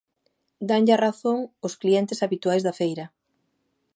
Danlle a razón os clientes habituais da feira...